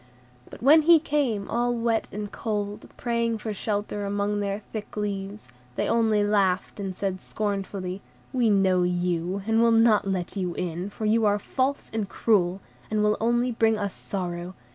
But when he came, all wet and cold, praying for shelter among their thick leaves, they only laughed and said scornfully, "We know you, and will not let you in, for you are false and cruel, and will only bring us sorrow.